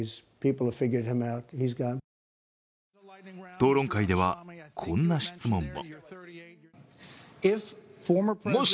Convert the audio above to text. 討論会では、こんな質問も。